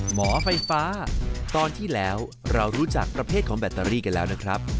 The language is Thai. หมอไฟฟ้าตอนที่แล้วเรารู้จักประเภทของแบตเตอรี่กันแล้วนะครับ